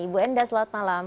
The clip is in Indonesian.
ibu endah selamat malam